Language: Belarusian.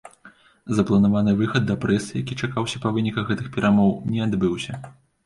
Запланаваны выхад да прэсы, які чакаўся па выніках гэтых перамоў, не адбыўся.